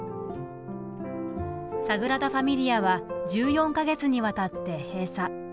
サグラダ・ファミリアは１４か月にわたって閉鎖。